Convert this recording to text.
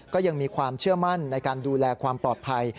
ก็ยังมีความเชื่อมั่นในการดูแลความปลอดภัย